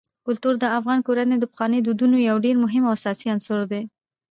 کلتور د افغان کورنیو د پخوانیو دودونو یو ډېر مهم او اساسي عنصر دی.